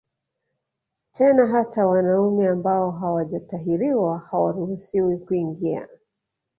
Tena hata wanaume ambao hawajatahiriwa hawaruhusiwi kuingia